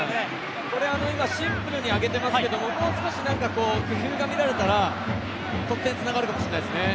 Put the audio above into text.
今、シンプルに上げてますけどもう少し工夫が見られたら得点につながるかもしれないですね。